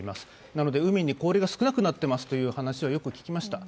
なので海に氷が少なくなっていますという話はよく聞きました。